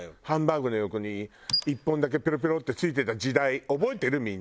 ハンバーグの横に１本だけピロピロって付いてた時代覚えてる？